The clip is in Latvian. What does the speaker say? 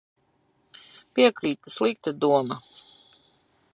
Piekrītu. Slikta doma.